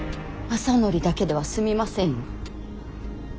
政範だけでは済みませんよ。